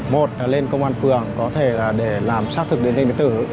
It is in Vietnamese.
một là lên công an phường có thể là để làm xác thực điện danh điện tử